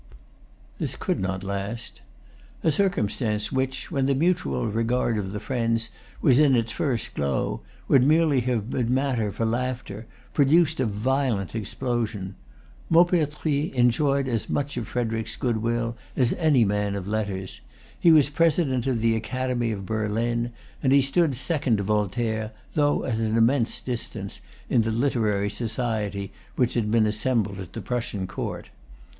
This could not last. A circumstance which, when the mutual regard of the friends was in its first glow, would merely have been matter for laughter produced a violent explosion. Maupertuis enjoyed as much of Frederic's good will as any man of letters. He was President of the Academy of Berlin; and he stood second to Voltaire, though at an immense distance, in the literary society which had been assembled at the Prussian Court.